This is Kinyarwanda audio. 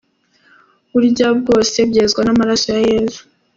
Burya byose byezwa n’amaraso ya Yesu.